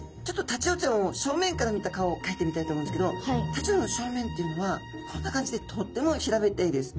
タチウオちゃんを正面から見た顔をかいてみたいと思うんですけどタチウオちゃんの正面っていうのはこんな感じでとっても平べったいです。